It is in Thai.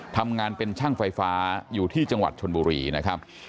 ทำงานเป็นช่างไฟฟ้าอยู่ที่จังหวัดชนบุรีนะครับ